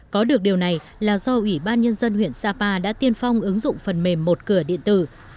có được điều này là do ủy ban nhân dân huyện sapa đã tiên phong ứng dụng phần mềm một cửa điện tử